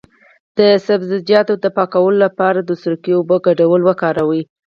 د سبزیجاتو د پاکوالي لپاره د سرکې او اوبو ګډول وکاروئ